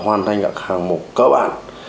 huyền tạo ra những cái hạng mục cơ bản